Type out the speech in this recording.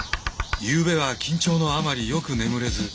ゆうべは緊張のあまりよく眠れず。